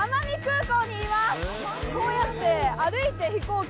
こうやって。